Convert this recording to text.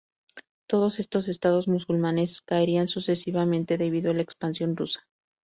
Todos estos estados musulmanes caerían sucesivamente debido a la expansión rusa.